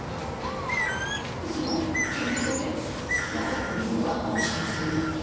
いつも顕微鏡で何かこう見るのが面白くてね